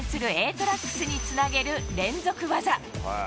トラックスにつなげる連続技。